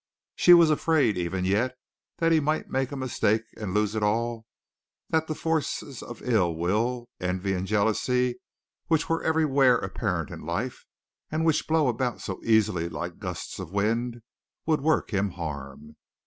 She was afraid, even yet, that he might make a mistake and lose it all, that the forces of ill will, envy and jealousy which were everywhere apparent in life, and which blow about so easily like gusts of wind, would work him harm.